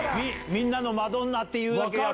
みんなのマドンナっていうだけ。